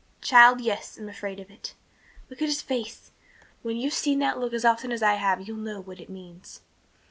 "Child, yes, I'm afraid of it. Look at his face. When you've seen that look as often as I have you'll know what it means."